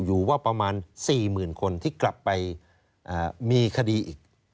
อยู่ว่าประมาณ๔๐๐๐คนที่กลับไปมีคดีอีก